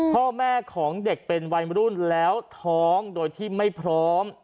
พ่อแม่ของเด็กเป็นวัยรุ่นแล้วท้องโดยที่ไม่พร้อม